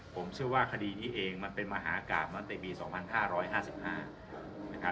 ผมเชื่อว่าคดีนี้เองมันเป็นมหากรรมตั้งแต่บีสองพันห้าร้อยห้าสิบห้านะครับ